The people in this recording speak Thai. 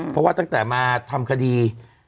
เพราะว่าตั้งแต่มาทำคดี